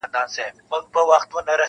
o تا بندولې سرې خولۍ هغه یې زور واخیست,